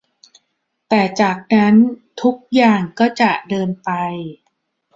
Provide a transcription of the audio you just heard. แต่จากนั้นทุกอย่างก็จะเดินไป